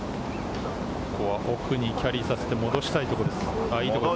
奥にキャリーをさせて戻したいところです。